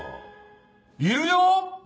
いるよ！